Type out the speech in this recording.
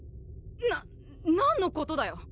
な何のことだよ。